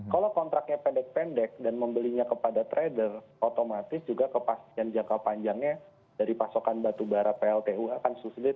kalau kontraknya pendek pendek dan membelinya kepada trader otomatis juga kepastian jangka panjangnya dari pasokan batubara pltu akan sulit